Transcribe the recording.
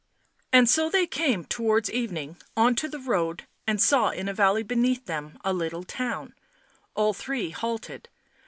And so they came, towards evening, on to the road and saw in a valley beneath them a little town. All three halted.